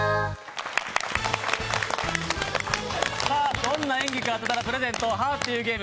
どんな演技か当てたらプレゼント、「はぁって言うゲーム」。